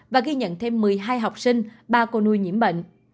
và ghi nhận thêm một mươi hai học sinh ba cô nuôi nhiễm bệnh